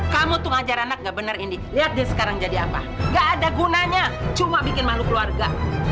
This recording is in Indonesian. kamu tuh ngajar anak gak bener ini lihat dia sekarang jadi apa gak ada gunanya cuma bikin malu keluarga